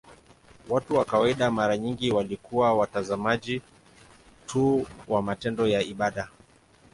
Watu wa kawaida mara nyingi walikuwa watazamaji tu wa matendo ya ibada.